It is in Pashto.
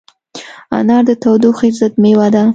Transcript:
انار د تودوخې ضد مېوه ده.